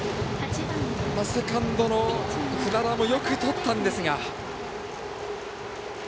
セカンドの船田もよくとったんですが。